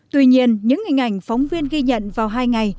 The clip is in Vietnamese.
tuy nhiên những hình ảnh phóng viên ghi nhận vào hai ngày